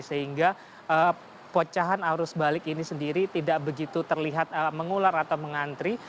sehingga pecahan arus balik ini sendiri tidak begitu terlihat mengular atau mengantri